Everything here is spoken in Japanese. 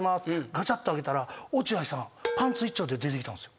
ガチャッと開けたら落合さんパンツ一丁で出てきたんすよ。